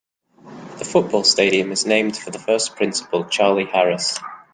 The football stadium is named for the first principal, Charley Harris.